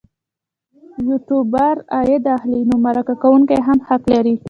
یوټوبر عاید اخلي نو مرکه کېدونکی هم حق لري.